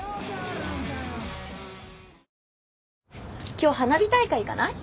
今日花火大会行かない？